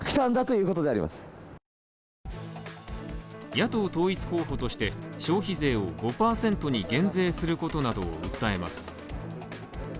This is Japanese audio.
野党統一候補として消費税を５％に減税することなどを訴えます。